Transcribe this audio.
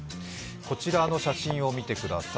こちらの写真を見てください。